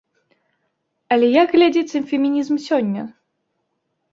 Але як глядзіцца фемінізм сёння?